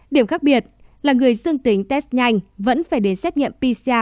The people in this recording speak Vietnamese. điểm khác biệt là người dương tính test nhanh vẫn phải đến xét nghiệm pcr